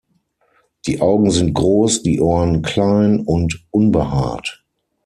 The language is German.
Die Augen sind groß, die Ohren klein und unbehaart.